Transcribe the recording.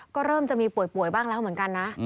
ก็เริ่มจะมีป่วยบ้างแล้วเหมือนกันนะ